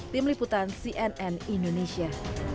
tim liputan cnn indonesia